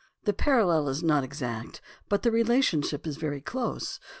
The parallel is not exact, but the relation ship is very close.